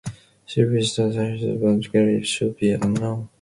She wished that her husband's grave should be unknown.